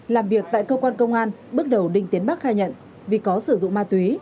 làm việc tại cơ quan công an bước đầu đinh tiến bắc khai nhận vì có sử dụng ma túy